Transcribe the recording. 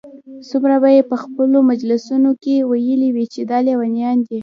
څومره به ئې په خپلو مجالسو كي ويلي وي چې دا ليونيان